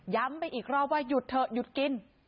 ไปอีกรอบว่าหยุดเถอะหยุดกิน